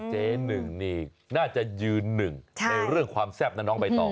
เจ๊หนึ่งนี่น่าจะยืนหนึ่งในเรื่องความแซ่บนะน้องใบตอง